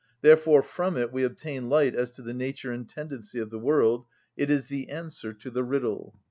Therefore from it we obtain light as to the nature and tendency of the world: it is the answer to the riddle.